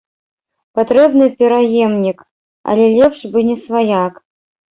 Патрэбны пераемнік, але лепш бы не сваяк.